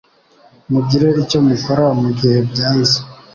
MUGIRE ICYO MUKORA mugihe byanze